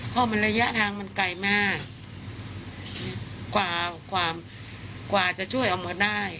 เพราะมันระยะทางมันไกลมากกว่ากว่าจะช่วยออกมาได้